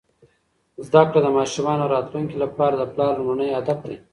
زده کړه د ماشومانو راتلونکي لپاره د پلار لومړنی هدف دی.